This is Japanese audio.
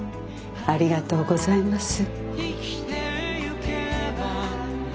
ありがとうございます。